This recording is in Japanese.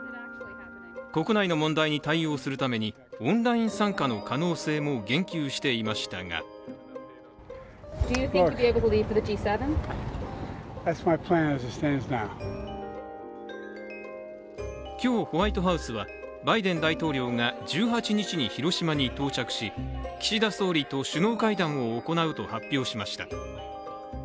国内の問題に対応するためにオンライン参加の可能性も言及していましたが今日、ホワイトハウスはバイデン大統領が１８日に広島に到着し、岸田総理と首脳会談を行うと発表しました。